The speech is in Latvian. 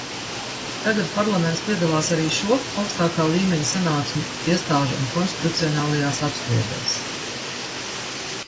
Tagad Parlaments piedalās arī šo augstākā līmeņa sanāksmju iestāžu un konstitucionālajās apspriedēs.